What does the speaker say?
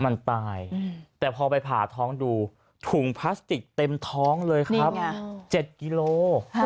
มันตายแต่พอไปผ่าท้องดูถุงพลาสติกเต็มท้องเลยครับ๗กิโล